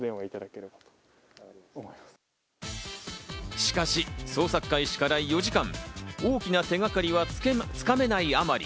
しかし、捜索開始から４時間、大きな手がかりは掴めない甘利。